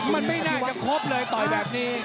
มันไม่น่าจะครบเลยต่อยแบบนี้